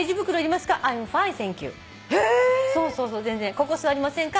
「ここ座りませんか？」